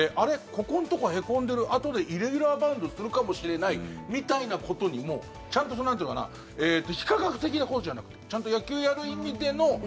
ここのところ、へこんでるあとでイレギュラーバウンドするかもしれないみたいなことにもちゃんと、なんていうかな非科学的なことじゃなくてちゃんと野球をやる意味での。